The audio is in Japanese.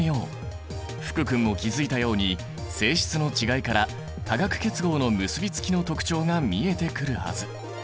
福君も気付いたように性質の違いから化学結合の結びつきの特徴が見えてくるはず！